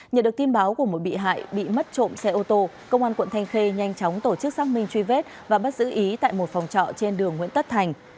nhờ được tin báo của một bị hại bị mất trộm xe ô tô công an quận thanh khê nhanh chóng tổ chức xác minh truy vết và bắt giữ ý tại một phòng trọ trên đường nguyễn tất thành